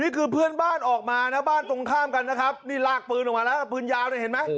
เพื่อนบ้านออกมานะบ้านตรงข้ามกันนะครับนี่ลากปืนออกมาแล้วปืนยาวเนี่ยเห็นไหม